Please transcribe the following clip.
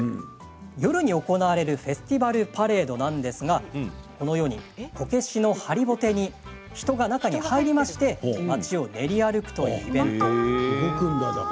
夜に行われるフェスティバルパレードですがこのようにこけしの張りぼてに人が中に入りまして動くんだ。